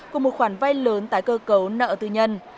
cùng một khoản vay lớn tái cơ cấu nợ tư nhân